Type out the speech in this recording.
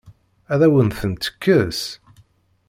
Ad awen-tent-tekkes?